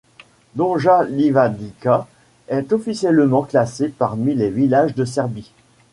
Donja Livadica est officiellement classée parmi les villages de Serbie.